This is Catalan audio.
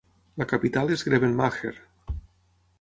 La capital és Grevenmacher.